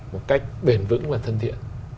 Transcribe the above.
một cách bền vững và thân thiện